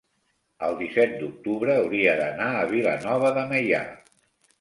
el disset d'octubre hauria d'anar a Vilanova de Meià.